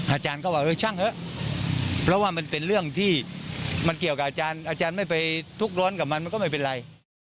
อาจารย์ก็บอกเออช่างเถอะเพราะว่ามันเป็นเรื่องที่มันเกี่ยวกับอาจารย์ไม่ไปทุกร้อนกับมันมันก็ไม่เป็นไร